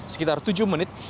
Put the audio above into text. sekitar tujuh menit